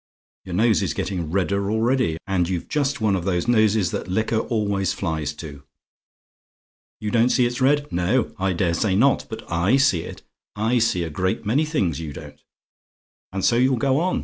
Your nose is getting redder already: and you've just one of the noses that liquor always flies to. YOU DON'T SEE IT'S RED? No I daresay not but I see it; I see a great many things you don't. And so you'll go on.